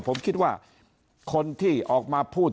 ผมคิดว่าคนที่ออกมาพูด